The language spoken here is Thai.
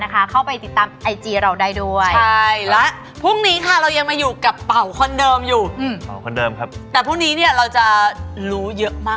แต่พอตอนนี้พูดเลยก็ทำเป็นไม่รู้เรื่องใช่มะ